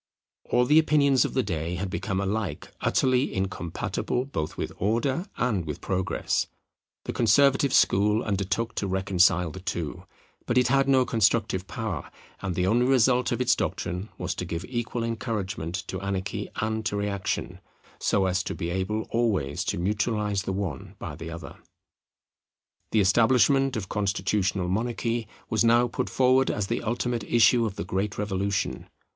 All the opinions of the day had become alike utterly incompatible both with Order and with Progress. The Conservative school undertook to reconcile the two; but it had no constructive power; and the only result of its doctrine was to give equal encouragement to anarchy and to reaction, so as to be able always to neutralize the one by the other. The establishment of Constitutional Monarchy was now put forward as the ultimate issue of the great Revolution.